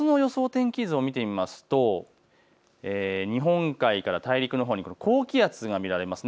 天気図を見てみますと日本海から大陸のほうに高気圧が見られます。